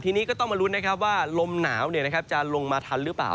ทีนี้ก็ต้องมาลุ้นนะครับว่าลมหนาวจะลงมาทันหรือเปล่า